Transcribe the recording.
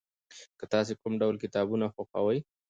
تاسې کوم ډول کتابونه خوښوئ؟